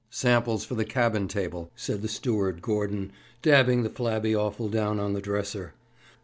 'Samples for the cabin table,' said the steward, Gordon, dabbing the flabby offal down on the dresser.